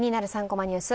３コマニュース」